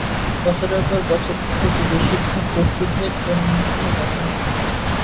বছরের পর বছর ধরে এটি বেশিরভাগ ওষুধের পণ্য হিসাবে দেখা হত।